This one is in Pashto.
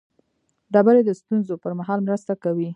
ډبرې د ستونزو پر مهال مرسته کوي.